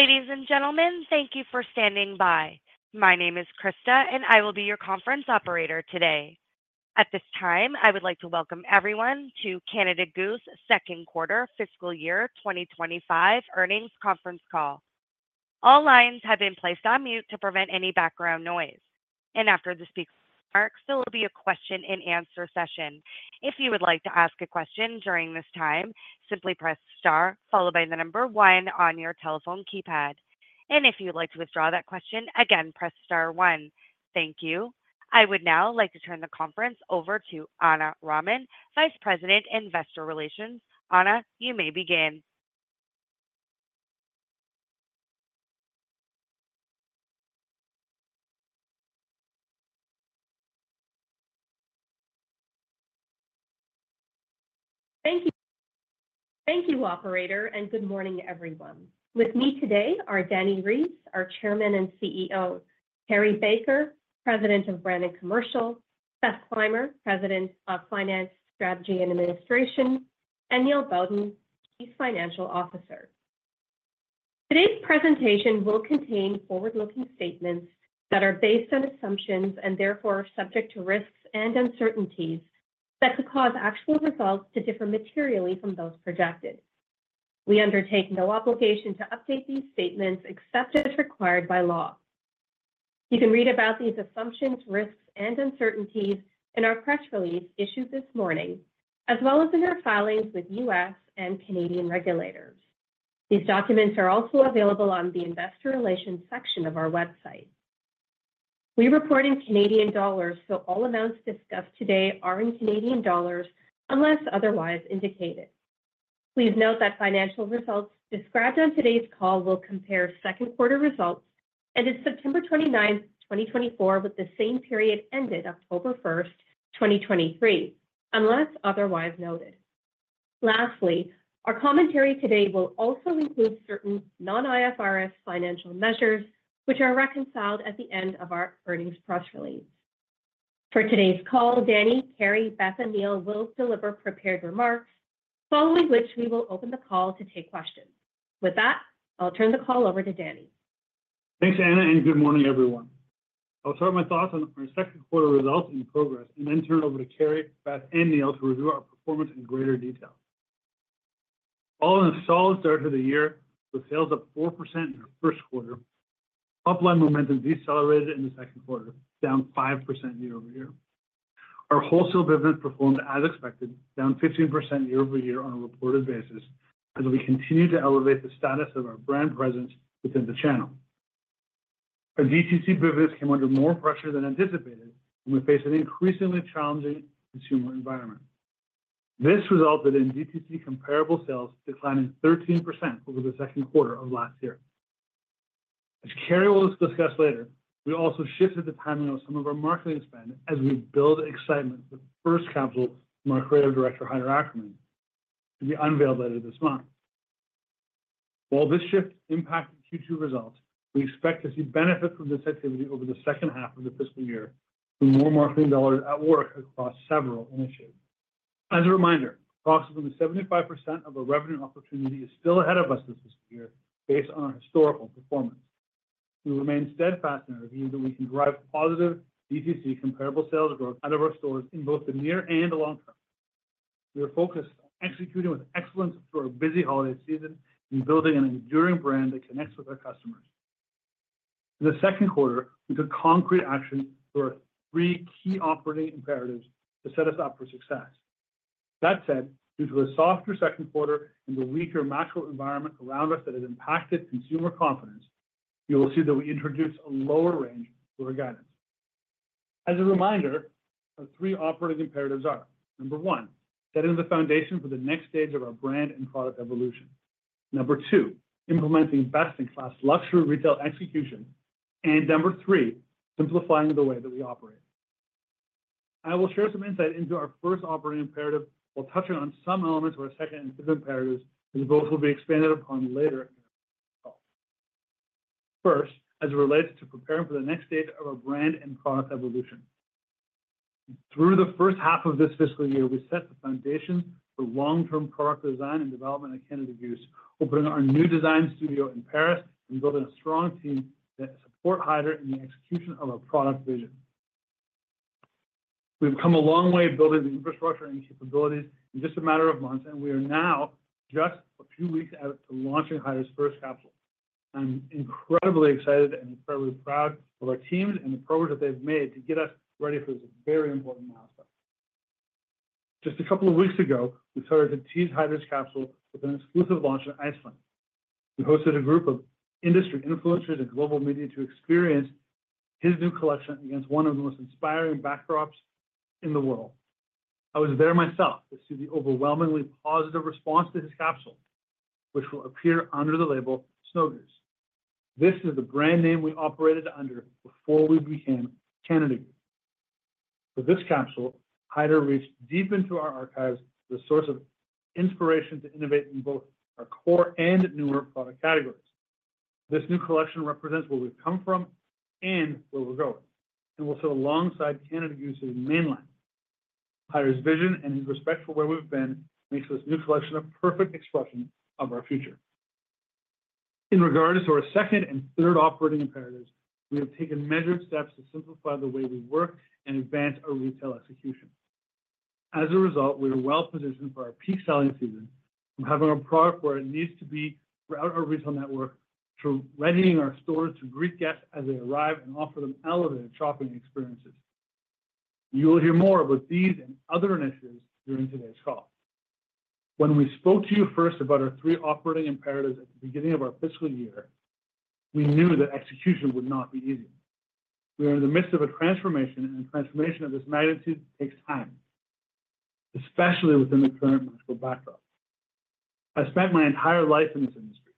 Ladies and gentlemen, thank you for standing by. My name is Krista, and I will be your conference operator today. At this time, I would like to welcome everyone to Canada Goose Second Quarter Fiscal Year 2025 Earnings Conference Call. All lines have been placed on mute to prevent any background noise. And after the speaker remarks, there will be a question-and-answer session. If you would like to ask a question during this time, simply press star followed by the number one on your telephone keypad. And if you'd like to withdraw that question, again, press star one. Thank you. I would now like to turn the conference over to Ana Raman, Vice President, Investor Relations. Ana, you may begin. Thank you. Thank you, Operator, and good morning, everyone. With me today are Dani Reiss, our Chairman and CEO, Carrie Baker, President of Brand and Commercial, Beth Clymer, President of Finance, Strategy, and Administration, and Neil Bowden, Chief Financial Officer. Today's presentation will contain forward-looking statements that are based on assumptions and therefore subject to risks and uncertainties that could cause actual results to differ materially from those projected. We undertake no obligation to update these statements except as required by law. You can read about these assumptions, risks, and uncertainties in our press release issued this morning, as well as in our filings with U.S. and Canadian regulators. These documents are also available on the Investor Relations section of our website. We report in Canadian dollars, so all amounts discussed today are in Canadian dollars unless otherwise indicated. Please note that financial results described on today's call will compare second quarter results as of September 29, 2024, with the same period ended October 1, 2023, unless otherwise noted. Lastly, our commentary today will also include certain non-IFRS financial measures, which are reconciled at the end of our earnings press release. For today's call, Dani, Carrie, Beth, and Neil will deliver prepared remarks, following which we will open the call to take questions. With that, I'll turn the call over to Dani. Thanks, Ana, and good morning, everyone. I'll share my thoughts on our second-quarter results and progress, and then turn it over to Carrie, Beth, and Neil to review our performance in greater detail. Following a solid start to the year with sales up 4% in our first quarter, online momentum decelerated in the second quarter, down 5% year-over-year. Our wholesale business performed as expected, down 15% year-over-year on a reported basis, as we continue to elevate the status of our brand presence within the channel. Our DTC business came under more pressure than anticipated, and we face an increasingly challenging consumer environment. This resulted in DTC comparable sales declining 13% over the second quarter of last year. As Carrie will discuss later, we also shifted the timing of some of our marketing spend as we build excitement with the first capsule from our Creative Director, Haider Ackermann, to be unveiled later this month. While this shift impacted Q2 results, we expect to see benefits from this activity over the second half of the fiscal year with more marketing dollars at work across several initiatives. As a reminder, approximately 75% of our revenue opportunity is still ahead of us this fiscal year based on our historical performance. We remain steadfast in our view that we can drive positive DTC comparable sales growth out of our stores in both the near and long term. We are focused on executing with excellence through our busy holiday season and building an enduring brand that connects with our customers. In the second quarter, we took concrete action through our three key operating imperatives to set us up for success. That said, due to a softer second quarter and the weaker macro environment around us that has impacted consumer confidence, you will see that we introduced a lower range for our guidance. As a reminder, our three operating imperatives are: number one, setting the foundation for the next stage of our brand and product evolution; number two, implementing best-in-class luxury retail execution; and number three, simplifying the way that we operate. I will share some insight into our first operating imperative while touching on some elements of our second and third imperatives, which both will be expanded upon later in our call. First, as it relates to preparing for the next stage of our brand and product evolution. Through the first half of this fiscal year, we set the foundation for long-term product design and development at Canada Goose, opening our new design studio in Paris and building a strong team that supports Haider in the execution of our product vision. We've come a long way building the infrastructure and capabilities in just a matter of months, and we are now just a few weeks out to launching Haider's first capsule. I'm incredibly excited and incredibly proud of our teams and the progress that they've made to get us ready for this very important milestone. Just a couple of weeks ago, we started to tease Haider's capsule with an exclusive launch in Iceland. We hosted a group of industry influencers and global media to experience his new collection against one of the most inspiring backdrops in the world. I was there myself to see the overwhelmingly positive response to his capsule, which will appear under the label Snow Goose. This is the brand name we operated under before we became Canada Goose. With this capsule, Haider reached deep into our archives as a source of inspiration to innovate in both our core and newer product categories. This new collection represents where we've come from and where we're going, and will sit alongside Canada Goose's mainline. Haider's vision and his respect for where we've been makes this new collection a perfect expression of our future. In regards to our second and third operating imperatives, we have taken measured steps to simplify the way we work and advance our retail execution. As a result, we are well-positioned for our peak selling season, from having our product where it needs to be throughout our retail network to readying our stores to greet guests as they arrive and offer them elevated shopping experiences. You will hear more about these and other initiatives during today's call. When we spoke to you first about our three operating imperatives at the beginning of our fiscal year, we knew that execution would not be easy. We are in the midst of a transformation, and a transformation of this magnitude takes time, especially within the current macro backdrop. I've spent my entire life in this industry.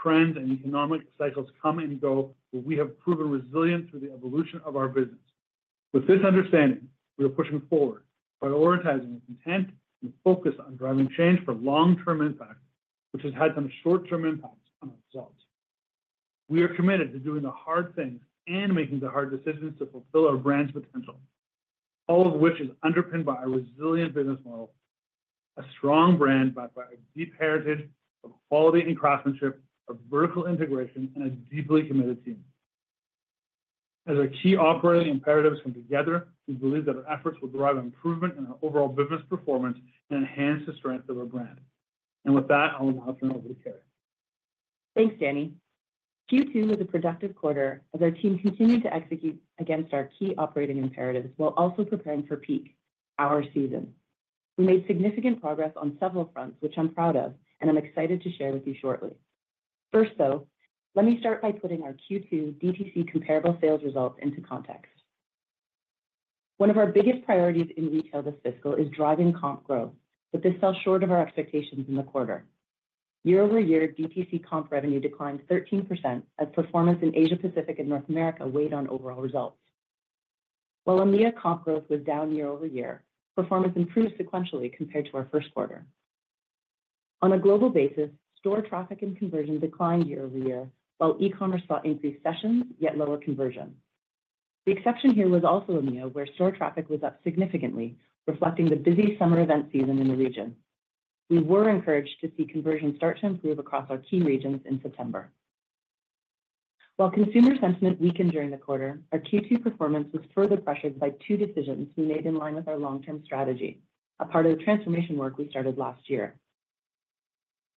Trends and economic cycles come and go, but we have proven resilient through the evolution of our business. With this understanding, we are pushing forward, prioritizing with intent and focus on driving change for long-term impact, which has had some short-term impacts on our results. We are committed to doing the hard things and making the hard decisions to fulfill our brand's potential, all of which is underpinned by our resilient business model, a strong brand backed by our deep heritage of quality and craftsmanship, our vertical integration, and a deeply committed team. As our key operating imperatives come together, we believe that our efforts will drive improvement in our overall business performance and enhance the strength of our brand. And with that, I'll now turn it over to Carrie. Thanks, Dani. Q2 was a productive quarter as our team continued to execute against our key operating imperatives while also preparing for peak, our season. We made significant progress on several fronts, which I'm proud of and I'm excited to share with you shortly. First, though, let me start by putting our Q2 DTC comparable sales results into context. One of our biggest priorities in retail this fiscal is driving comp growth, but this fell short of our expectations in the quarter. Year-over-year, DTC comp revenue declined 13% as performance in Asia-Pacific and North America weighed on overall results. While EMEA comp growth was down year-over-year, performance improved sequentially compared to our first quarter. On a global basis, store traffic and conversion declined year-over-year, while e-commerce saw increased sessions yet lower conversion. The exception here was also EMEA, where store traffic was up significantly, reflecting the busy summer event season in the region. We were encouraged to see conversion start to improve across our key regions in September. While consumer sentiment weakened during the quarter, our Q2 performance was further pressured by two decisions we made in line with our long-term strategy, a part of the transformation work we started last year.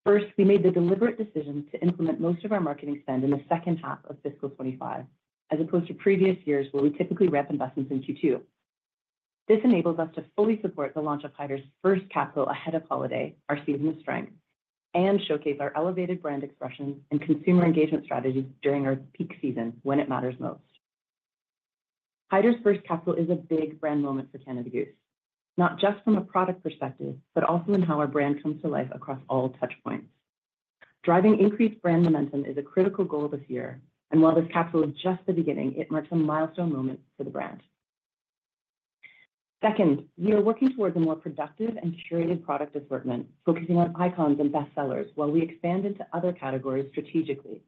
First, we made the deliberate decision to implement most of our marketing spend in the second half of fiscal 2025, as opposed to previous years where we typically ramp investments in Q2. This enabled us to fully support the launch of Haider's first capsule ahead of holiday, our season of strength, and showcase our elevated brand expression and consumer engagement strategy during our peak season when it matters most. Haider's first capsule is a big brand moment for Canada Goose, not just from a product perspective, but also in how our brand comes to life across all touchpoints. Driving increased brand momentum is a critical goal this year, and while this capsule is just the beginning, it marks a milestone moment for the brand. Second, we are working towards a more productive and curated product assortment, focusing on icons and bestsellers while we expand into other categories strategically.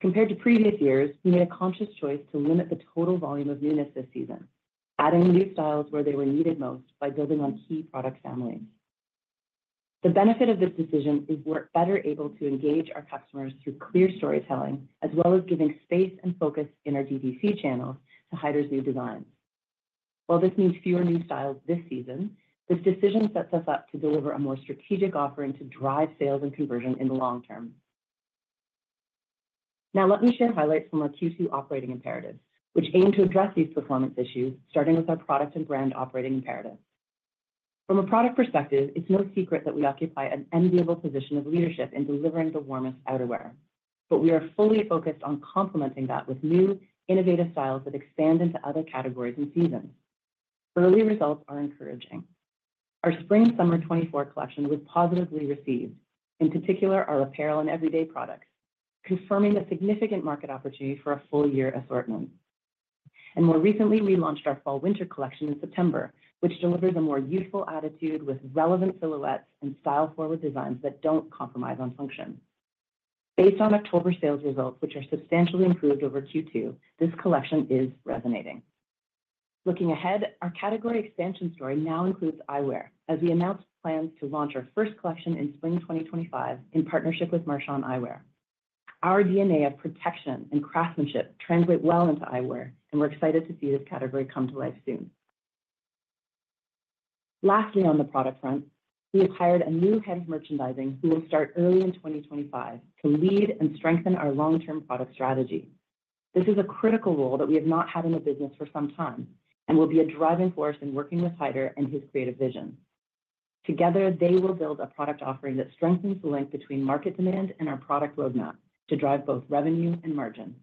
Compared to previous years, we made a conscious choice to limit the total volume of units this season, adding new styles where they were needed most by building on key product families. The benefit of this decision is we're better able to engage our customers through clear storytelling, as well as giving space and focus in our DTC channels to Haider's new designs. While this means fewer new styles this season, this decision sets us up to deliver a more strategic offering to drive sales and conversion in the long term. Now, let me share highlights from our Q2 operating imperatives, which aim to address these performance issues, starting with our product and brand operating imperatives. From a product perspective, it's no secret that we occupy an enviable position of leadership in delivering the warmest outerwear, but we are fully focused on complementing that with new, innovative styles that expand into other categories and seasons. Early results are encouraging. Our spring and summer 2024 collection was positively received, in particular our apparel and everyday products, confirming a significant market opportunity for a full-year assortment. And more recently, we launched our fall/winter collection in September, which delivers a more youthful attitude with relevant silhouettes and style-forward designs that don't compromise on function. Based on October sales results, which are substantially improved over Q2, this collection is resonating. Looking ahead, our category expansion story now includes eyewear, as we announced plans to launch our first collection in spring 2025 in partnership with Marchon Eyewear. Our DNA of protection and craftsmanship translates well into eyewear, and we're excited to see this category come to life soon. Lastly, on the product front, we have hired a new head of merchandising who will start early in 2025 to lead and strengthen our long-term product strategy. This is a critical role that we have not had in the business for some time and will be a driving force in working with Haider and his creative vision. Together, they will build a product offering that strengthens the link between market demand and our product roadmap to drive both revenue and margin.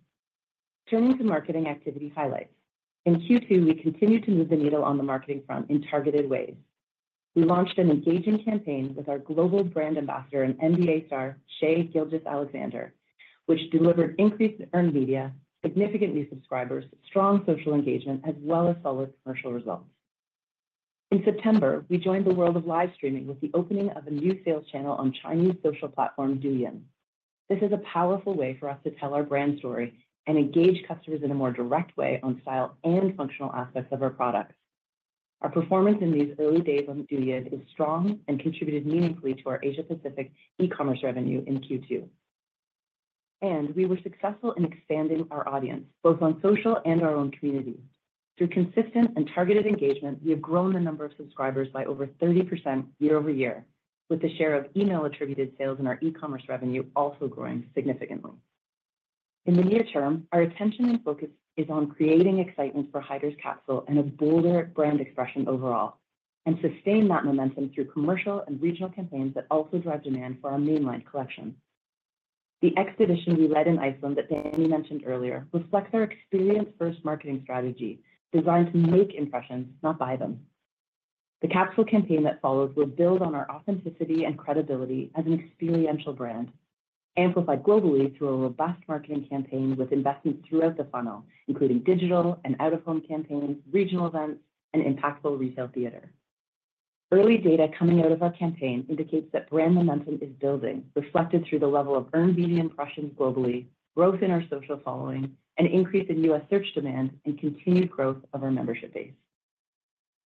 Turning to marketing activity highlights, in Q2, we continued to move the needle on the marketing front in targeted ways. We launched an engaging campaign with our global brand ambassador and NBA star, Shai Gilgeous-Alexander, which delivered increased earned media, significant new subscribers, strong social engagement, as well as solid commercial results. In September, we joined the world of live streaming with the opening of a new sales channel on Chinese social platform Douyin. This is a powerful way for us to tell our brand story and engage customers in a more direct way on style and functional aspects of our products. Our performance in these early days on Douyin is strong and contributed meaningfully to our Asia-Pacific e-commerce revenue in Q2. And we were successful in expanding our audience, both on social and our own community. Through consistent and targeted engagement, we have grown the number of subscribers by over 30% year-over-year, with the share of email-attributed sales in our e-commerce revenue also growing significantly. In the near term, our attention and focus is on creating excitement for Haider's capsule and a bolder brand expression overall, and sustain that momentum through commercial and regional campaigns that also drive demand for our mainline collection. The exhibition we led in Iceland that Dani mentioned earlier reflects our experience-first marketing strategy designed to make impressions, not buy them. The capsule campaign that follows will build on our authenticity and credibility as an experiential brand, amplified globally through a robust marketing campaign with investments throughout the funnel, including digital and out-of-home campaigns, regional events, and impactful retail theater. Early data coming out of our campaign indicates that brand momentum is building, reflected through the level of earned media impressions globally, growth in our social following, an increase in U.S. search demand, and continued growth of our membership base.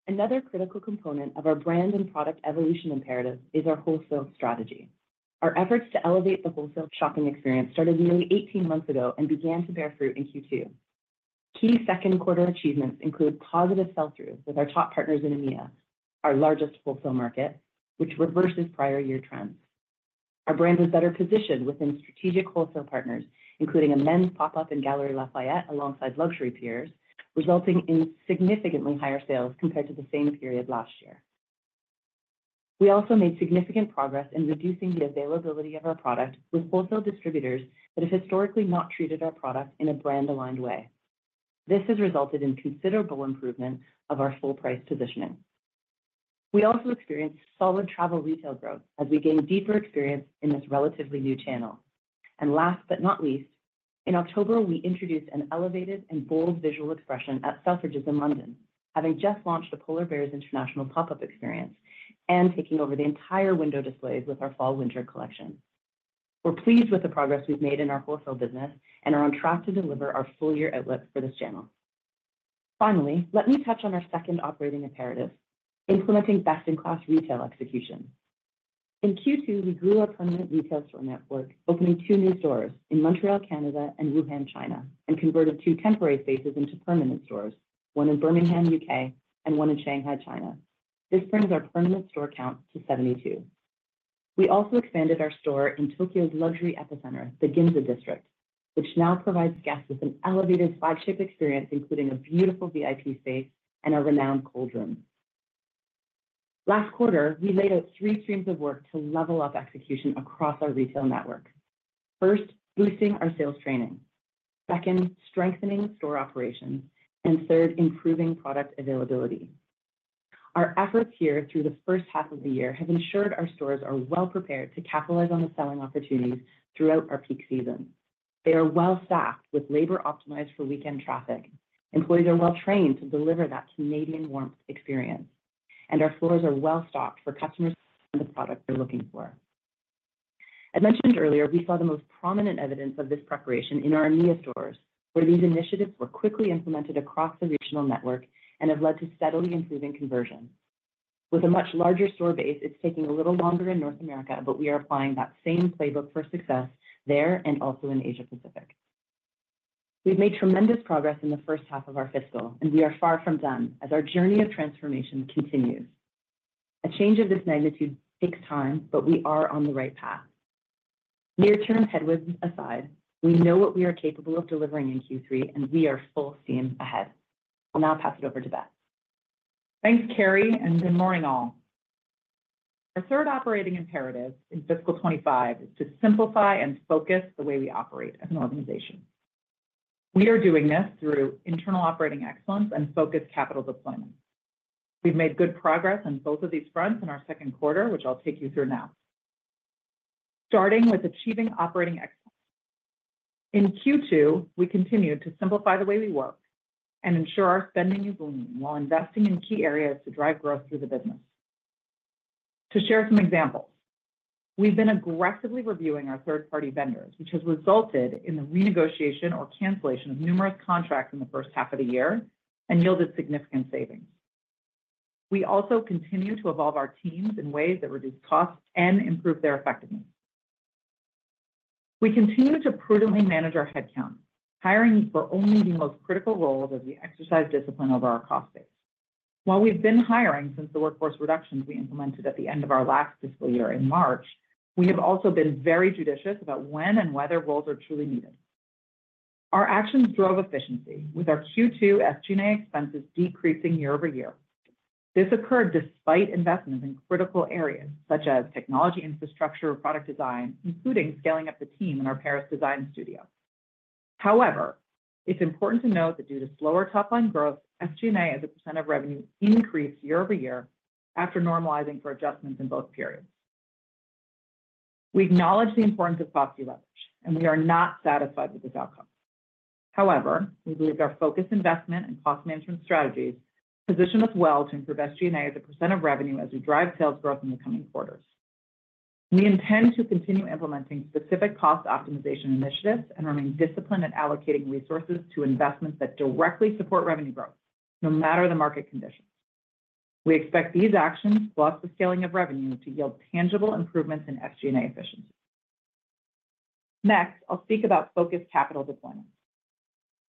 Another critical component of our brand and product evolution imperative is our wholesale strategy. Our efforts to elevate the wholesale shopping experience started nearly 18 months ago and began to bear fruit in Q2. Key second-quarter achievements include positive sell-throughs with our top partners in EMEA, our largest wholesale market, which reverses prior year trends. Our brand was better positioned within strategic wholesale partners, including a men's pop-up in Galeries Lafayette alongside luxury peers, resulting in significantly higher sales compared to the same period last year. We also made significant progress in reducing the availability of our product with wholesale distributors that have historically not treated our product in a brand-aligned way. This has resulted in considerable improvement of our full-price positioning. We also experienced solid travel retail growth as we gained deeper experience in this relatively new channel. And last but not least, in October, we introduced an elevated and bold visual expression at Selfridges in London, having just launched a Polar Bears International pop-up experience and taking over the entire window displays with our Fall/Winter collection. We're pleased with the progress we've made in our wholesale business and are on track to deliver our full-year outlook for this channel. Finally, let me touch on our second operating imperative, implementing best-in-class retail execution. In Q2, we grew our permanent retail store network, opening two new stores in Montreal, Canada, and Wuhan, China, and converted two temporary spaces into permanent stores, one in Birmingham, U.K., and one in Shanghai, China. This brings our permanent store count to 72. We also expanded our store in Tokyo's luxury epicenter, the Ginza District, which now provides guests with an elevated flagship experience, including a beautiful VIP space and a renowned cold room. Last quarter, we laid out three streams of work to level up execution across our retail network. First, boosting our sales training. Second, strengthening store operations. And third, improving product availability. Our efforts here through the first half of the year have ensured our stores are well-prepared to capitalize on the selling opportunities throughout our peak season. They are well-staffed with labor optimized for weekend traffic. Employees are well-trained to deliver that Canadian warmth experience. Our floors are well-stocked for customers and the product they're looking for. As mentioned earlier, we saw the most prominent evidence of this preparation in our EMEA stores, where these initiatives were quickly implemented across the regional network and have led to steadily improving conversion. With a much larger store base, it's taking a little longer in North America, but we are applying that same playbook for success there and also in Asia-Pacific. We've made tremendous progress in the first half of our fiscal, and we are far from done as our journey of transformation continues. A change of this magnitude takes time, but we are on the right path. Near-term headwinds aside, we know what we are capable of delivering in Q3, and we are full steam ahead. I'll now pass it over to Beth. Thanks, Carrie, and good morning, all. Our third operating imperative in fiscal 2025 is to simplify and focus the way we operate as an organization. We are doing this through internal operating excellence and focused capital deployment. We've made good progress on both of these fronts in our second quarter, which I'll take you through now. Starting with achieving operating excellence. In Q2, we continued to simplify the way we work and ensure our spending is lean while investing in key areas to drive growth through the business. To share some examples, we've been aggressively reviewing our third-party vendors, which has resulted in the renegotiation or cancellation of numerous contracts in the first half of the year and yielded significant savings. We also continue to evolve our teams in ways that reduce costs and improve their effectiveness. We continue to prudently manage our headcount, hiring for only the most critical roles as we exercise discipline over our cost base. While we've been hiring since the workforce reductions we implemented at the end of our last fiscal year in March, we have also been very judicious about when and whether roles are truly needed. Our actions drove efficiency, with our Q2 SG&A expenses decreasing year-over-year. This occurred despite investments in critical areas such as technology infrastructure or product design, including scaling up the team in our Paris design studio. However, it's important to note that due to slower top-line growth, SG&A as a % of revenue increased year-over-year after normalizing for adjustments in both periods. We acknowledge the importance of cost-elevation, and we are not satisfied with this outcome. However, we believe our focused investment and cost management strategies position us well to improve SG&A as a % of revenue as we drive sales growth in the coming quarters. We intend to continue implementing specific cost optimization initiatives and remain disciplined at allocating resources to investments that directly support revenue growth, no matter the market conditions. We expect these actions, plus the scaling of revenue, to yield tangible improvements in SG&A efficiency. Next, I'll speak about focused capital deployment.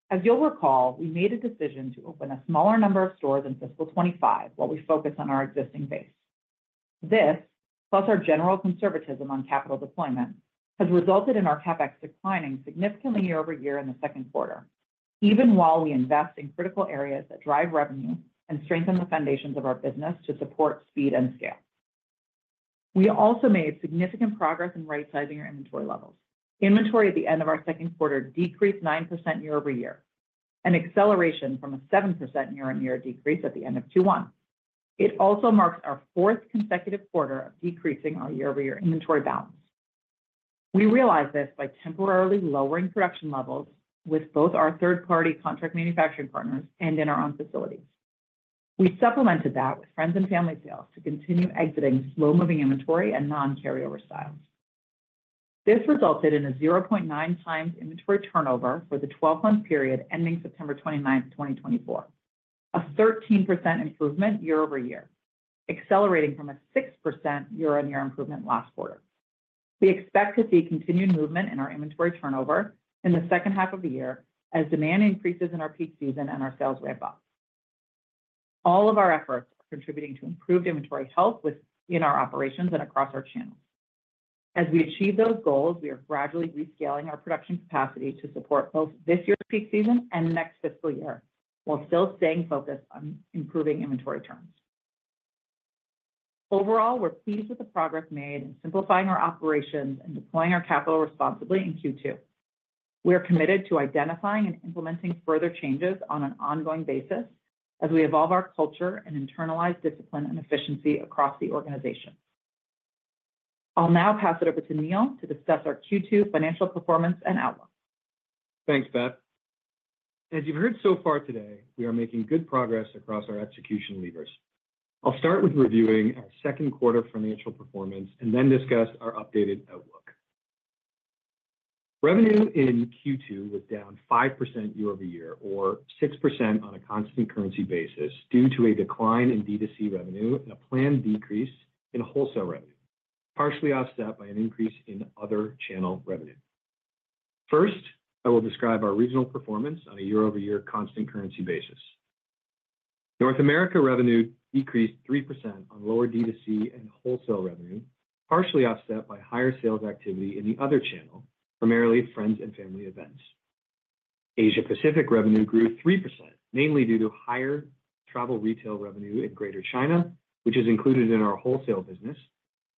As you'll recall, we made a decision to open a smaller number of stores in fiscal 2025 while we focus on our existing base. This, plus our general conservatism on capital deployment, has resulted in our CapEx declining significantly year-over-year in the second quarter, even while we invest in critical areas that drive revenue and strengthen the foundations of our business to support speed and scale. We also made significant progress in right-sizing our inventory levels. Inventory at the end of our second quarter decreased 9% year-over-year, an acceleration from a 7% year-on-year decrease at the end of Q1. It also marks our fourth consecutive quarter of decreasing our year-over-year inventory balance. We realized this by temporarily lowering production levels with both our third-party contract manufacturing partners and in our own facilities. We supplemented that with friends-and-family sales to continue exiting slow-moving inventory and non-carryover styles. This resulted in a 0.9x inventory turnover for the 12-month period ending September 29, 2024, a 13% improvement year-over-year, accelerating from a 6% year-on-year improvement last quarter. We expect to see continued movement in our inventory turnover in the second half of the year as demand increases in our peak season and our sales ramp up. All of our efforts are contributing to improved inventory health in our operations and across our channels. As we achieve those goals, we are gradually rescaling our production capacity to support both this year's peak season and next fiscal year while still staying focused on improving inventory terms. Overall, we're pleased with the progress made in simplifying our operations and deploying our capital responsibly in Q2. We are committed to identifying and implementing further changes on an ongoing basis as we evolve our culture and internalize discipline and efficiency across the organization. I'll now pass it over to Neil to discuss our Q2 financial performance and outlook. Thanks, Beth. As you've heard so far today, we are making good progress across our execution levers. I'll start with reviewing our second-quarter financial performance and then discuss our updated outlook. Revenue in Q2 was down 5% year-over-year, or 6% on a constant currency basis, due to a decline in DTC revenue and a planned decrease in wholesale revenue, partially offset by an increase in other channel revenue. First, I will describe our regional performance on a year-over-year constant currency basis. North America revenue decreased 3% on lower DTC and wholesale revenue, partially offset by higher sales activity in the other channel, primarily friends-and-family events. Asia-Pacific revenue grew 3%, mainly due to higher travel retail revenue in Greater China, which is included in our wholesale business,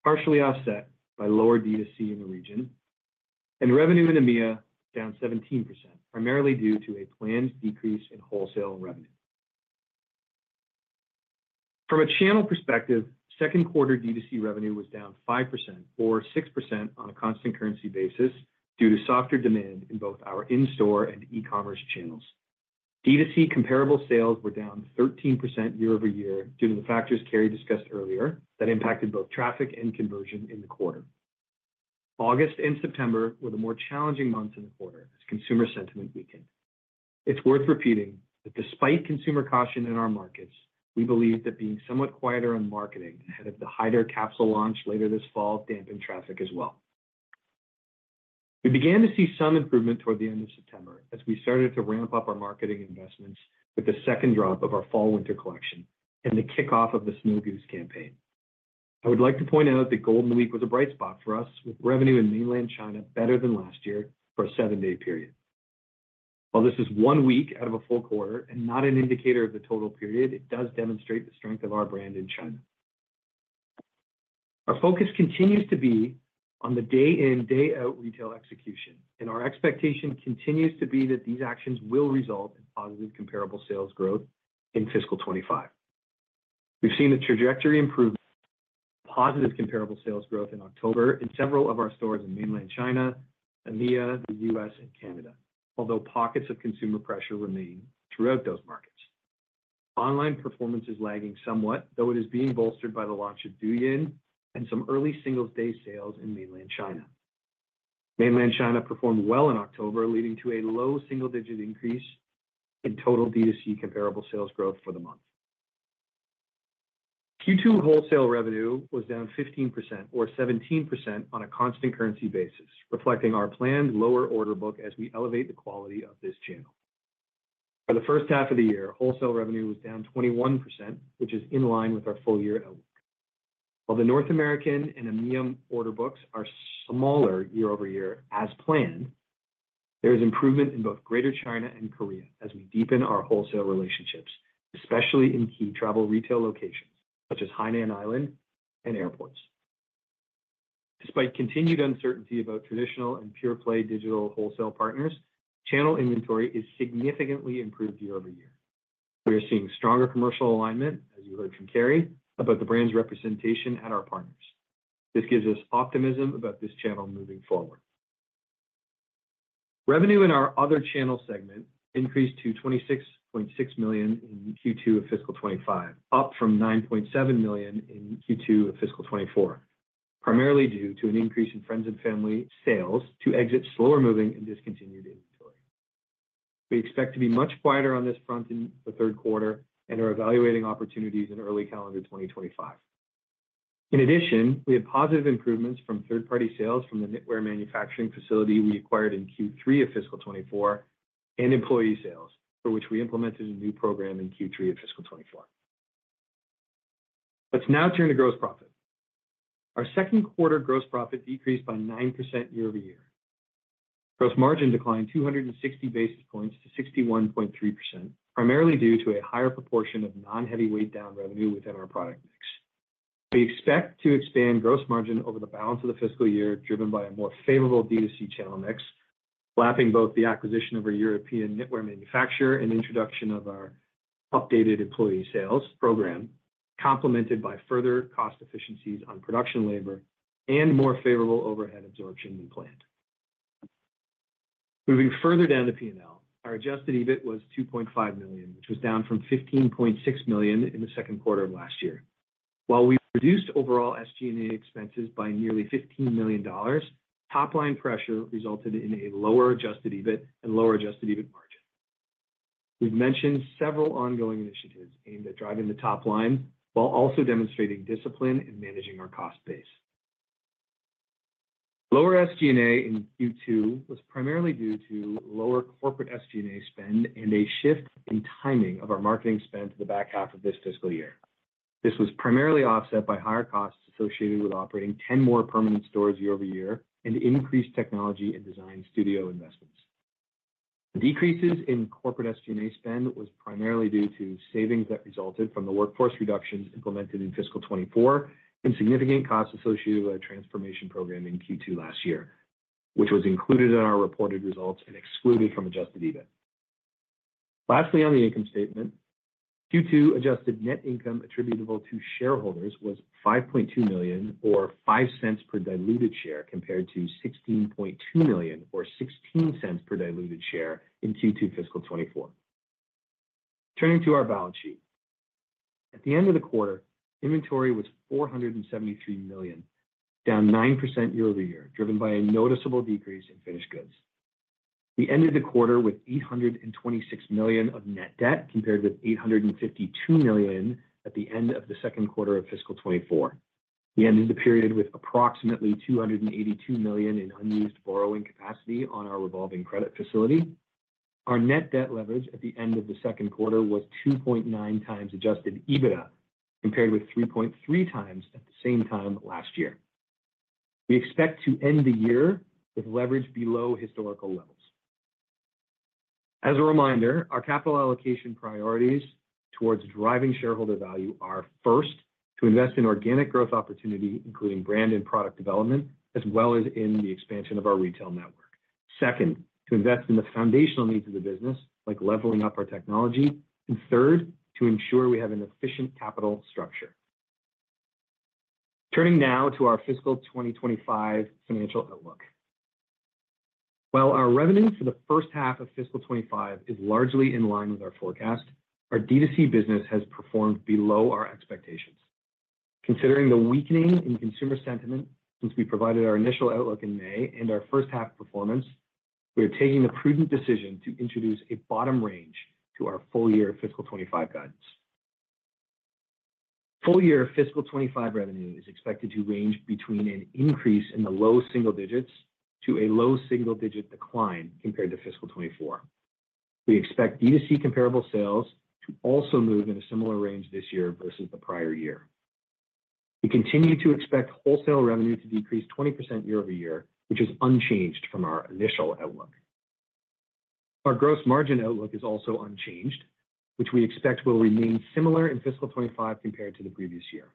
partially offset by lower DTC in the region, and revenue in EMEA down 17%, primarily due to a planned decrease in wholesale revenue. From a channel perspective, second-quarter DTC revenue was down 5%, or 6% on a constant currency basis, due to softer demand in both our in-store and e-commerce channels. DTC comparable sales were down 13% year-over-year due to the factors Carrie discussed earlier that impacted both traffic and conversion in the quarter. August and September were the more challenging months in the quarter as consumer sentiment weakened. It's worth repeating that despite consumer caution in our markets, we believe that being somewhat quieter on marketing ahead of the Haider capsule launch later this fall dampened traffic as well. We began to see some improvement toward the end of September as we started to ramp up our marketing investments with the second drop of our Fall/Winter Collection and the kickoff of the Snow Goose campaign. I would like to point out that Golden Week was a bright spot for us, with revenue in Mainland China better than last year for a seven-day period. While this is one week out of a full quarter and not an indicator of the total period, it does demonstrate the strength of our brand in China. Our focus continues to be on the day-in, day-out retail execution, and our expectation continues to be that these actions will result in positive comparable sales growth in fiscal 2025. We've seen a trajectory improvement, positive comparable sales growth in October in several of our stores in Mainland China, EMEA, the U.S., and Canada, although pockets of consumer pressure remain throughout those markets. Online performance is lagging somewhat, though it is being bolstered by the launch of Douyin and some early Singles' Day sales in Mainland China. Mainland China performed well in October, leading to a low single-digit increase in total DTC comparable sales growth for the month. Q2 wholesale revenue was down 15%, or 17% on a constant currency basis, reflecting our planned lower order book as we elevate the quality of this channel. For the first half of the year, wholesale revenue was down 21%, which is in line with our full-year outlook. While the North American and EMEA order books are smaller year-over-year as planned, there is improvement in both Greater China and Korea as we deepen our wholesale relationships, especially in key travel retail locations such as Hainan Island and airports. Despite continued uncertainty about traditional and pure-play digital wholesale partners, channel inventory is significantly improved year-over-year. We are seeing stronger commercial alignment, as you heard from Carrie, about the brand's representation at our partners. This gives us optimism about this channel moving forward. Revenue in our other channel segment increased to 26.6 million in Q2 of fiscal 2025, up from 9.7 million in Q2 of fiscal 2024, primarily due to an increase in friends-and-family sales to exit slower-moving and discontinued inventory. We expect to be much quieter on this front in the third quarter and are evaluating opportunities in early calendar 2025. In addition, we have positive improvements from third-party sales from the knitwear manufacturing facility we acquired in Q3 of fiscal 2024 and employee sales, for which we implemented a new program in Q3 of fiscal 2024. Let's now turn to gross profit. Our second-quarter gross profit decreased by 9% year-over-year. Gross margin declined 260 basis points to 61.3%, primarily due to a higher proportion of non-heavyweight down revenue within our product mix. We expect to expand gross margin over the balance of the fiscal year, driven by a more favorable DTC channel mix, lapping both the acquisition of a European knitwear manufacturer and introduction of our updated employee sales program, complemented by further cost efficiencies on production labor and more favorable overhead absorption than planned. Moving further down the P&L, our adjusted EBIT was 2.5 million, which was down from 15.6 million in the second quarter of last year. While we reduced overall SG&A expenses by nearly 15 million dollars, top-line pressure resulted in a lower adjusted EBIT and lower adjusted EBIT margin. We've mentioned several ongoing initiatives aimed at driving the top line while also demonstrating discipline in managing our cost base. Lower SG&A in Q2 was primarily due to lower corporate SG&A spend and a shift in timing of our marketing spend to the back half of this fiscal year. This was primarily offset by higher costs associated with operating 10 more permanent stores year-over-year and increased technology and design studio investments. The decreases in corporate SG&A spend were primarily due to savings that resulted from the workforce reductions implemented in fiscal 2024 and significant costs associated with a transformation program in Q2 last year, which was included in our reported results and excluded from adjusted EBIT. Lastly, on the income statement, Q2 adjusted net income attributable to shareholders was 5.2 million, or 0.05 per diluted share, compared to 16.2 million, or 0.16 per diluted share in Q2 fiscal 2024. Turning to our balance sheet, at the end of the quarter, inventory was 473 million, down 9% year-over-year, driven by a noticeable decrease in finished goods. We ended the quarter with 826 million of net debt, compared with 852 million at the end of the second quarter of fiscal 2024. We ended the period with approximately 282 million in unused borrowing capacity on our revolving credit facility. Our Net Debt Leverage at the end of the second quarter was 2.9x Adjusted EBITDA, compared with 3.3x at the same time last year. We expect to end the year with leverage below historical levels. As a reminder, our capital allocation priorities towards driving shareholder value are first, to invest in organic growth opportunity, including brand and product development, as well as in the expansion of our retail network. Second, to invest in the foundational needs of the business, like leveling up our technology. And third, to ensure we have an efficient capital structure. Turning now to our fiscal 2025 financial outlook. While our revenue for the first half of fiscal 2025 is largely in line with our forecast, our DTC business has performed below our expectations. Considering the weakening in consumer sentiment since we provided our initial outlook in May and our first-half performance, we are taking the prudent decision to introduce a bottom range to our full-year fiscal '25 guidance. Full-year fiscal '25 revenue is expected to range between an increase in the low single digits to a low single-digit decline compared to fiscal '24. We expect DTC comparable sales to also move in a similar range this year versus the prior year. We continue to expect wholesale revenue to decrease 20% year-over-year, which is unchanged from our initial outlook. Our gross margin outlook is also unchanged, which we expect will remain similar in fiscal '25 compared to the previous year.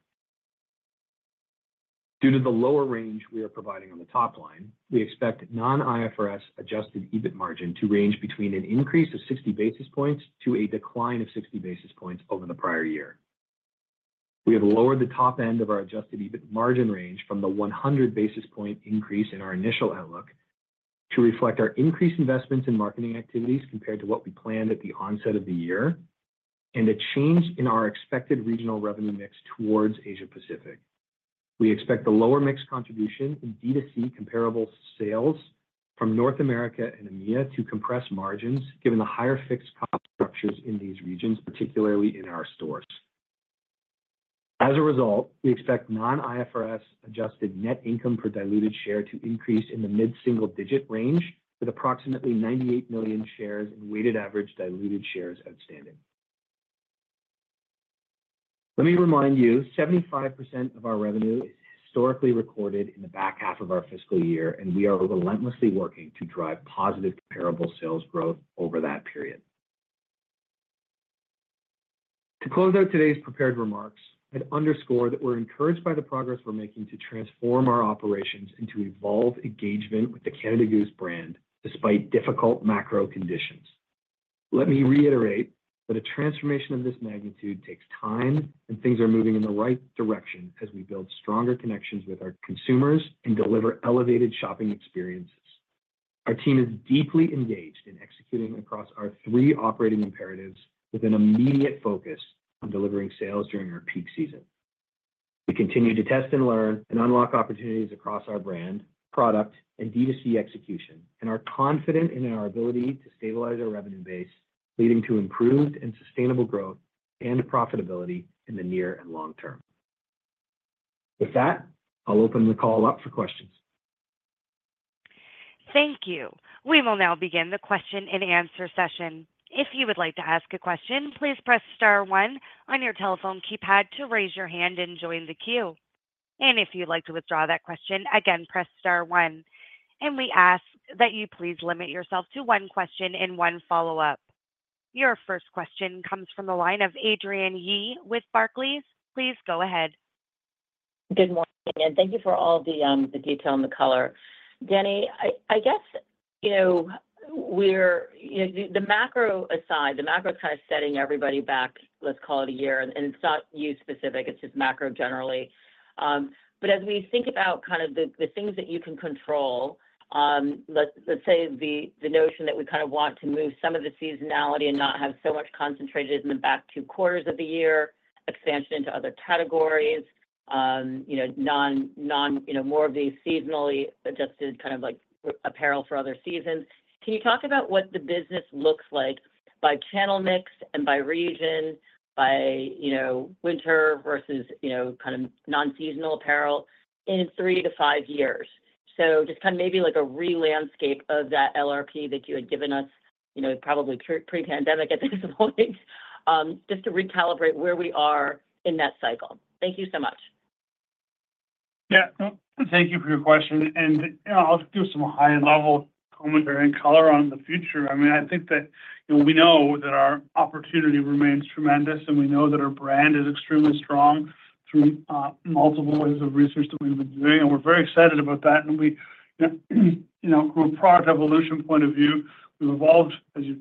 Due to the lower range we are providing on the top line, we expect non-IFRS Adjusted EBIT margin to range between an increase of 60 basis points to a decline of 60 basis points over the prior year. We have lowered the top end of our Adjusted EBIT margin range from the 100 basis point increase in our initial outlook to reflect our increased investments in marketing activities compared to what we planned at the onset of the year and a change in our expected regional revenue mix towards Asia-Pacific. We expect the lower mix contribution in DTC comparable sales from North America and EMEA to compress margins, given the higher fixed cost structures in these regions, particularly in our stores. As a result, we expect non-IFRS adjusted net income per diluted share to increase in the mid-single-digit range with approximately 98 million shares and weighted average diluted shares outstanding. Let me remind you, 75% of our revenue is historically recorded in the back half of our fiscal year, and we are relentlessly working to drive positive comparable sales growth over that period. To close out today's prepared remarks, I'd underscore that we're encouraged by the progress we're making to transform our operations and to evolve engagement with the Canada Goose brand despite difficult macro conditions. Let me reiterate that a transformation of this magnitude takes time, and things are moving in the right direction as we build stronger connections with our consumers and deliver elevated shopping experiences. Our team is deeply engaged in executing across our three operating imperatives with an immediate focus on delivering sales during our peak season. We continue to test and learn and unlock opportunities across our brand, product, and DTC execution, and are confident in our ability to stabilize our revenue base, leading to improved and sustainable growth and profitability in the near and long term. With that, I'll open the call up for questions. Thank you. We will now begin the question and answer session. If you would like to ask a question, please press star one on your telephone keypad to raise your hand and join the queue. And if you'd like to withdraw that question, again, press star one. And we ask that you please limit yourself to one question and one follow-up. Your first question comes from the line of Adrienne Yih with Barclays. Please go ahead. Good morning, and thank you for all the detail and the color. Dani, I guess, putting the macro aside, the macro kind of setting everybody back, let's call it a year, and it's not you specific, it's just macro generally. But as we think about kind of the things that you can control, let's say the notion that we kind of want to move some of the seasonality and not have so much concentrated in the back two quarters of the year, expansion into other categories, more of the seasonally adjusted kind of apparel for other seasons. Can you talk about what the business looks like by channel mix and by region, by winter versus kind of non-seasonal apparel in three to five years? Just kind of maybe like a re-landscape of that LRP that you had given us probably pre-pandemic at this point, just to recalibrate where we are in that cycle. Thank you so much. Yeah, thank you for your question. And I'll do some high-level commentary and color on the future. I mean, I think that we know that our opportunity remains tremendous, and we know that our brand is extremely strong through multiple ways of research that we've been doing. And we're very excited about that. And from a product evolution point of view, we've evolved, as you've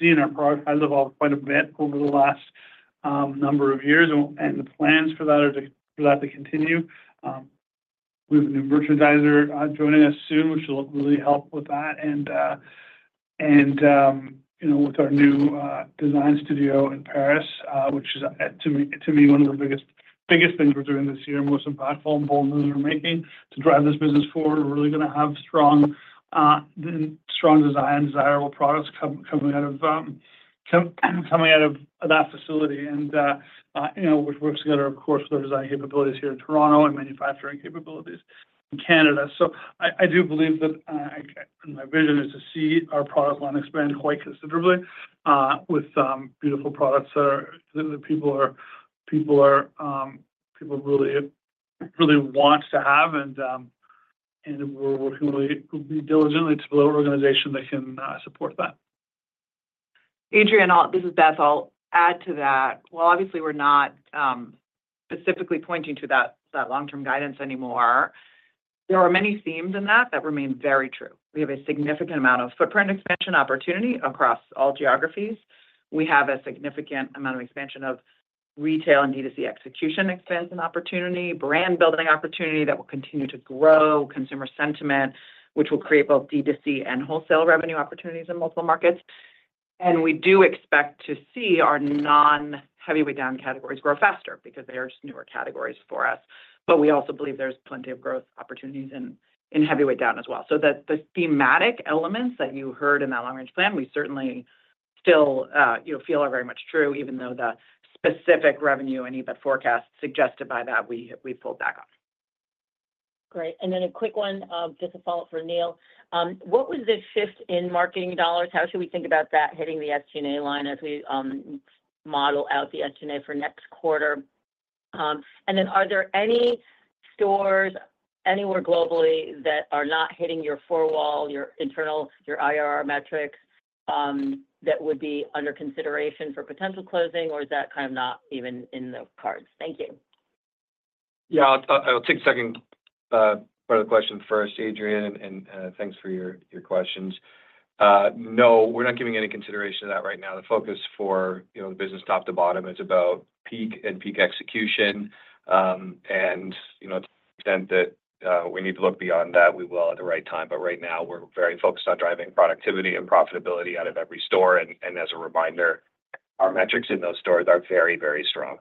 seen, our product has evolved quite a bit over the last number of years, and the plans for that are to continue. We have a new merchandiser joining us soon, which will really help with that. And with our new design studio in Paris, which is, to me, one of the biggest things we're doing this year, most impactful and bold moves we're making to drive this business forward. We're really going to have strong design and desirable products coming out of that facility, which works together, of course, with our design capabilities here in Toronto and manufacturing capabilities in Canada. So I do believe that my vision is to see our product line expand quite considerably with beautiful products that people really want to have. And we're working really diligently to build an organization that can support that. Adrienne, this is Beth. I'll add to that. While obviously we're not specifically pointing to that long-term guidance anymore, there are many themes in that that remain very true. We have a significant amount of footprint expansion opportunity across all geographies. We have a significant amount of expansion of retail and DTC execution expansion and opportunity, brand building opportunity that will continue to grow, consumer sentiment, which will create both DTC and wholesale revenue opportunities in multiple markets. And we do expect to see our non-heavyweight down categories grow faster because they are just newer categories for us. But we also believe there's plenty of growth opportunities in heavyweight down as well. So the thematic elements that you heard in that long-range plan, we certainly still feel are very much true, even though the specific revenue and EBIT forecast suggested by that we pulled back on. Great. And then a quick one, just a follow-up for Neil. What was the shift in marketing dollars? How should we think about that hitting the SG&A line as we model out the SG&A for next quarter? And then are there any stores anywhere globally that are not hitting your four-wall, your internal, your IRR metrics that would be under consideration for potential closing, or is that kind of not even in the cards? Thank you. Yeah, I'll take a second part of the question first, Adrian, and thanks for your questions. No, we're not giving any consideration to that right now. The focus for the business top to bottom is about peak and peak execution. And to the extent that we need to look beyond that, we will at the right time. But right now, we're very focused on driving productivity and profitability out of every store. And as a reminder, our metrics in those stores are very, very strong.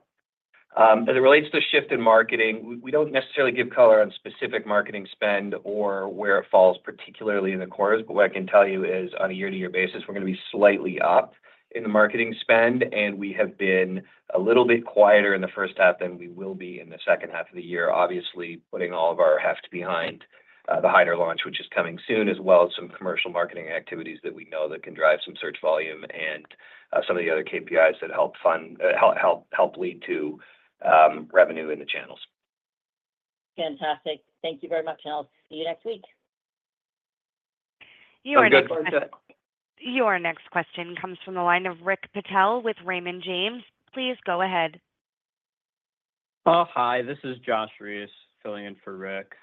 As it relates to shift in marketing, we don't necessarily give color on specific marketing spend or where it falls particularly in the quarters. But what I can tell you is on a year-to-year basis, we're going to be slightly up in the marketing spend. We have been a little bit quieter in the first half than we will be in the second half of the year, obviously putting all of our heft behind the Haider launch, which is coming soon, as well as some commercial marketing activities that we know that can drive some search volume and some of the other KPIs that help lead to revenue in the channels. Fantastic. Thank you very much, and I'll see you next week. Your next question comes from the line of Rick Patel with Raymond James. Please go ahead. Hi, this is Josh Reese filling in for Rick.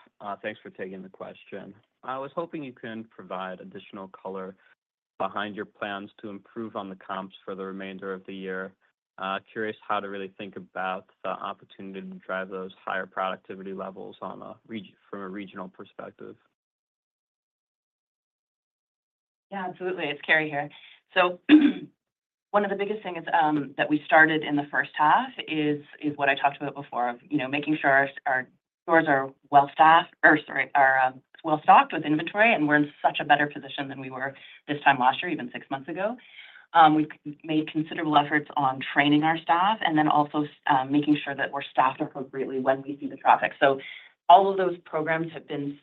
Thanks for taking the question. I was hoping you can provide additional color behind your plans to improve on the comps for the remainder of the year. Curious how to really think about the opportunity to drive those higher productivity levels from a regional perspective. Yeah, absolutely. It's Carrie here. So one of the biggest things that we started in the first half is what I talked about before of making sure our stores are well-staffed or, sorry, are well-stocked with inventory, and we're in such a better position than we were this time last year, even six months ago. We've made considerable efforts on training our staff and then also making sure that we're staffed appropriately when we see the traffic. So all of those programs have been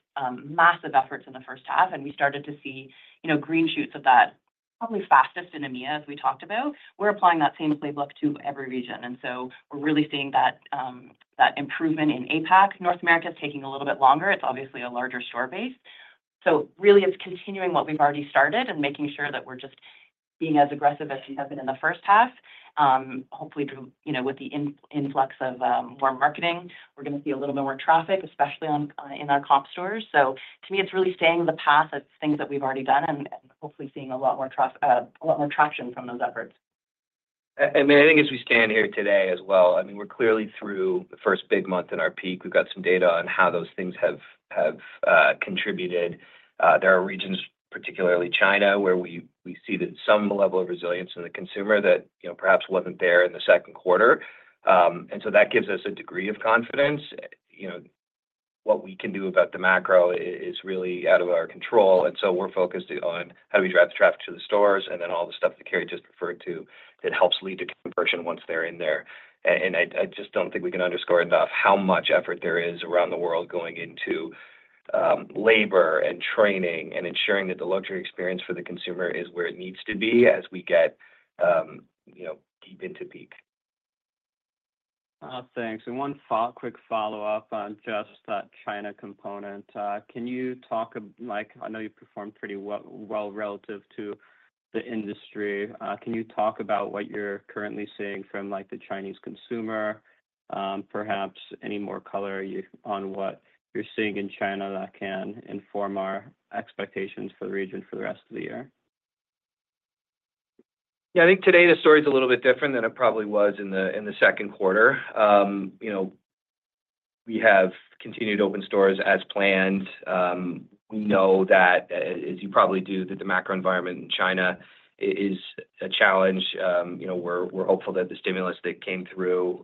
massive efforts in the first half, and we started to see green shoots of that probably fastest in EMEA, as we talked about. We're applying that same playbook to every region. And so we're really seeing that improvement in APAC. North America is taking a little bit longer. It's obviously a larger store base. So really, it's continuing what we've already started and making sure that we're just being as aggressive as we have been in the first half. Hopefully, with the influx of more marketing, we're going to see a little bit more traffic, especially in our comp stores. So to me, it's really staying the path of things that we've already done and hopefully seeing a lot more traction from those efforts. I mean, I think as we stand here today as well, I mean, we're clearly through the first big month in our peak. We've got some data on how those things have contributed. There are regions, particularly China, where we see that some level of resilience in the consumer that perhaps wasn't there in the second quarter. And so that gives us a degree of confidence. What we can do about the macro is really out of our control. And so we're focused on how do we drive the traffic to the stores and then all the stuff that Carrie just referred to that helps lead to conversion once they're in there. I just don't think we can underscore enough how much effort there is around the world going into labor and training and ensuring that the luxury experience for the consumer is where it needs to be as we get deep into peak. Thanks. And one quick follow-up on just that China component. Can you talk about, I know you performed pretty well relative to the industry, can you talk about what you're currently seeing from the Chinese consumer? Perhaps any more color on what you're seeing in China that can inform our expectations for the region for the rest of the year? Yeah, I think today the story is a little bit different than it probably was in the second quarter. We have continued to open stores as planned. We know that, as you probably do, that the macro environment in China is a challenge. We're hopeful that the stimulus that came through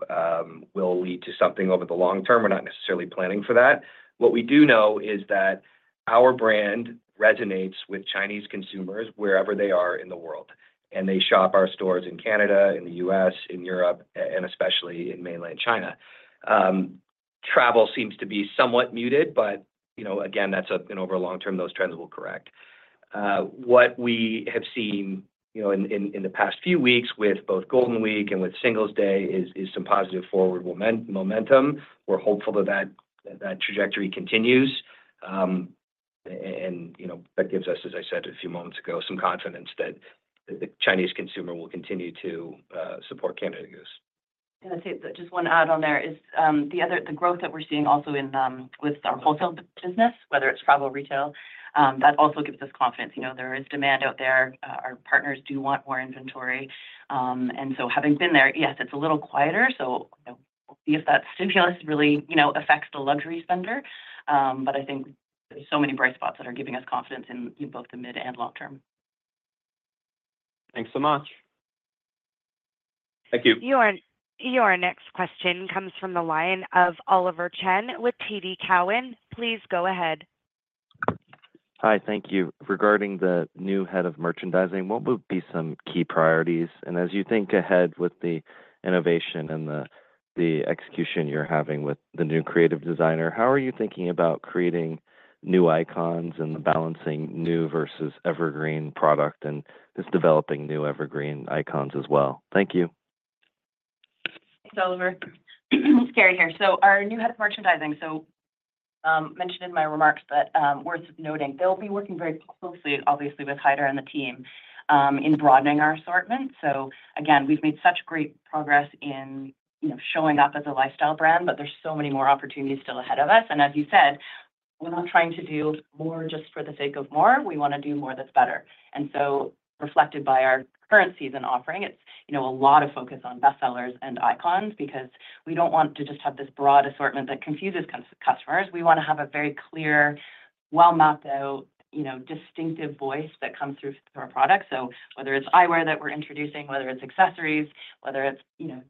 will lead to something over the long term. We're not necessarily planning for that. What we do know is that our brand resonates with Chinese consumers wherever they are in the world, and they shop our stores in Canada, in the U.S., in Europe, and especially in Mainland China. Travel seems to be somewhat muted, but again, that's over the long term, those trends will correct. What we have seen in the past few weeks with both Golden Week and with Singles Day is some positive forward momentum. We're hopeful that that trajectory continues. That gives us, as I said a few moments ago, some confidence that the Chinese consumer will continue to support Canada Goose. And I'd say just one add-on there is the growth that we're seeing also with our wholesale business, whether it's travel or retail, that also gives us confidence. There is demand out there. Our partners do want more inventory. And so having been there, yes, it's a little quieter. So we'll see if that stimulus really affects the luxury spender. But I think there's so many bright spots that are giving us confidence in both the mid and long term. Thanks so much. Thank you. Your next question comes from the line of Oliver Chen with TD Cowen. Please go ahead. Hi, thank you. Regarding the new head of merchandising, what would be some key priorities? And as you think ahead with the innovation and the execution you're having with the new creative designer, how are you thinking about creating new icons and balancing new versus evergreen product and just developing new evergreen icons as well? Thank you. Thanks, Oliver. It's Carrie here. So our new head of merchandising, as mentioned in my remarks, that's worth noting. They'll be working very closely, obviously, with Haider and the team in broadening our assortment. So again, we've made such great progress in showing up as a lifestyle brand, but there's so many more opportunities still ahead of us. And as you said, we're not trying to do more just for the sake of more. We want to do more that's better. And so reflected by our current season offering, it's a lot of focus on bestsellers and icons because we don't want to just have this broad assortment that confuses customers. We want to have a very clear, well-mapped out distinctive voice that comes through our products. So whether it's eyewear that we're introducing, whether it's accessories, whether it's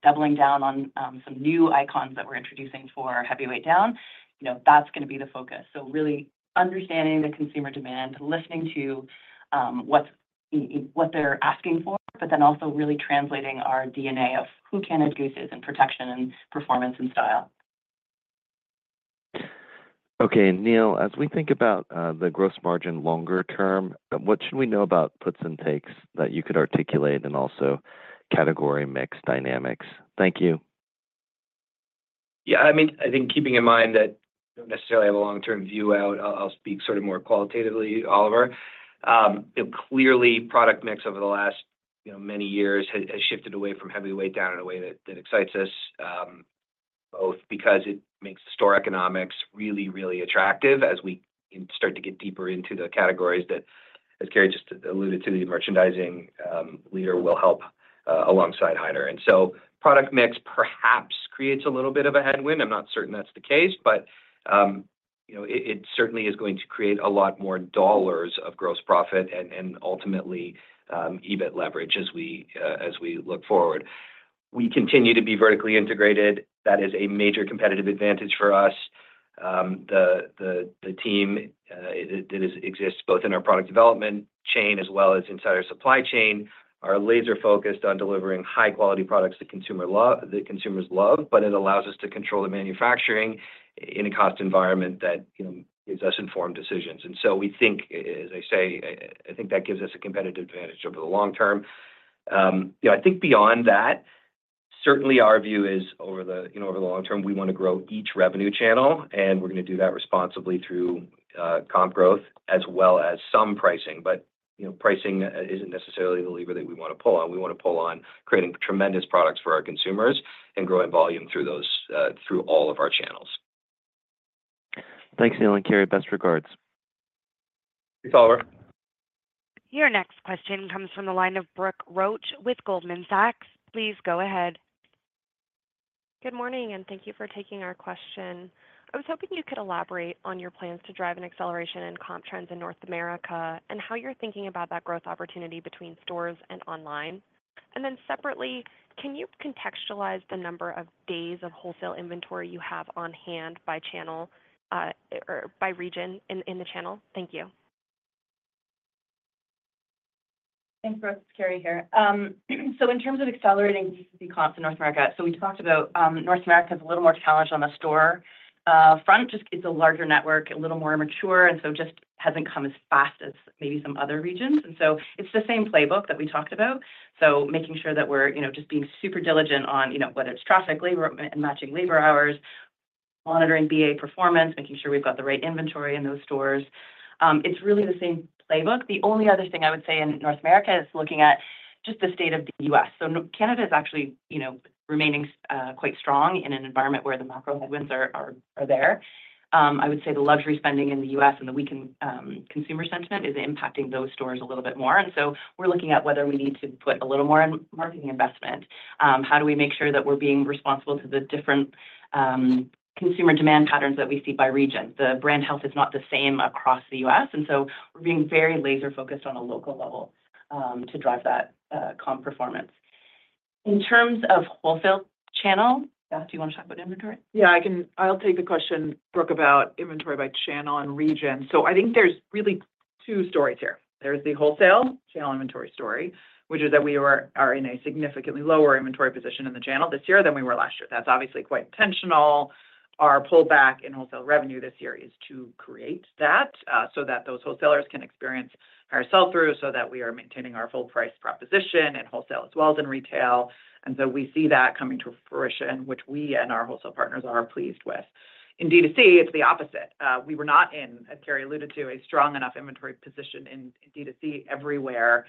doubling down on some new icons that we're introducing for heavyweight down, that's going to be the focus. So really understanding the consumer demand, listening to what they're asking for, but then also really translating our DNA of who Canada Goose is in protection and performance and style. Okay, Neil, as we think about the gross margin longer term, what should we know about puts and takes that you could articulate and also category mix dynamics? Thank you. Yeah, I mean, I think keeping in mind that I don't necessarily have a long-term view out, I'll speak sort of more qualitatively, Oliver. Clearly, product mix over the last many years has shifted away from heavyweight down in a way that excites us, both because it makes store economics really, really attractive as we start to get deeper into the categories that, as Carrie just alluded to, the merchandising leader will help alongside Haider. And so product mix perhaps creates a little bit of a headwind. I'm not certain that's the case, but it certainly is going to create a lot more dollars of gross profit and ultimately EBIT leverage as we look forward. We continue to be vertically integrated. That is a major competitive advantage for us. The team that exists both in our product development chain as well as inside our supply chain are laser-focused on delivering high-quality products that consumers love, but it allows us to control the manufacturing in a cost environment that gives us informed decisions, and so we think, as I say, I think that gives us a competitive advantage over the long term. I think beyond that, certainly our view is over the long term, we want to grow each revenue channel, and we're going to do that responsibly through comp growth as well as some pricing. But pricing isn't necessarily the lever that we want to pull on. We want to pull on creating tremendous products for our consumers and growing volume through all of our channels. Thanks, Neil and Carrie. Best regards. Thanks, Oliver. Your next question comes from the line of Brooke Roach with Goldman Sachs. Please go ahead. Good morning, and thank you for taking our question. I was hoping you could elaborate on your plans to drive an acceleration in comp trends in North America and how you're thinking about that growth opportunity between stores and online, and then separately, can you contextualize the number of days of wholesale inventory you have on hand by channel or by region in the channel? Thank you. Thanks, Brooke. It's Carrie here, so in terms of accelerating the comps in North America, so we talked about North America has a little more challenge on the store front. It's a larger network, a little more mature, and so just hasn't come as fast as maybe some other regions, and so it's the same playbook that we talked about, so making sure that we're just being super diligent on whether it's traffic, labor, and matching labor hours, monitoring BA performance, making sure we've got the right inventory in those stores. It's really the same playbook. The only other thing I would say in North America is looking at just the state of the U.S., so Canada is actually remaining quite strong in an environment where the macro headwinds are there. I would say the luxury spending in the U.S. and the weakened consumer sentiment is impacting those stores a little bit more. And so we're looking at whether we need to put a little more in marketing investment. How do we make sure that we're being responsible to the different consumer demand patterns that we see by region? The brand health is not the same across the U.S. And so we're being very laser-focused on a local level to drive that comp performance. In terms of wholesale channel, do you want to talk about inventory? Yeah, I'll take the question, Brooke, about inventory by channel and region. So I think there's really two stories here. There's the wholesale channel inventory story, which is that we are in a significantly lower inventory position in the channel this year than we were last year. That's obviously quite intentional. Our pullback in wholesale revenue this year is to create that so that those wholesalers can experience higher sell-through, so that we are maintaining our full price proposition in wholesale as well as in retail. And so we see that coming to fruition, which we and our wholesale partners are pleased with. In DTC, it's the opposite. We were not in, as Carrie alluded to, a strong enough inventory position in DTC everywhere.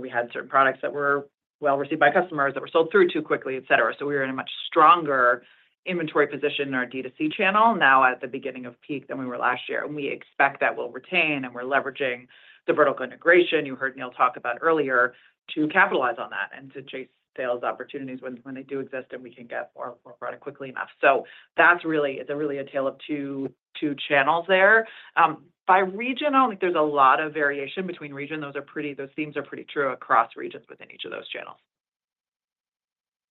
We had certain products that were well received by customers that were sold through too quickly, etc. We were in a much stronger inventory position in our DTC channel now at the beginning of peak than we were last year. We expect that we'll retain and we're leveraging the vertical integration you heard Neil talk about earlier to capitalize on that and to chase sales opportunities when they do exist and we can get more product quickly enough. That's really a tale of two channels there. By region, I don't think there's a lot of variation between region. Those themes are pretty true across regions within each of those channels.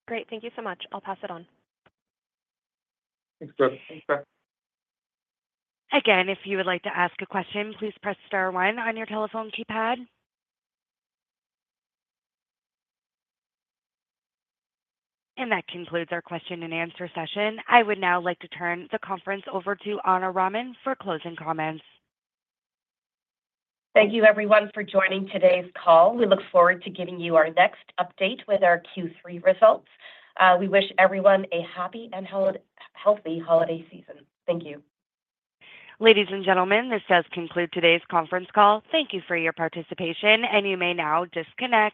Great. Thank you so much. I'll pass it on. Thanks, Brooke. Again, if you would like to ask a question, please press star one on your telephone keypad. And that concludes our question and answer session. I would now like to turn the conference over to Ana Raman for closing comments. Thank you, everyone, for joining today's call. We look forward to giving you our next update with our Q3 results. We wish everyone a happy and healthy holiday season. Thank you. Ladies and gentlemen, this does conclude today's conference call. Thank you for your participation, and you may now disconnect.